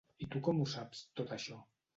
I tu com ho saps, tot això?